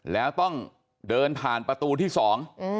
แล้วต้องเดินผ่านประตูที่สอง